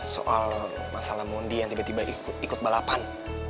soal masalah mondi yang tiba tiba ikut balapan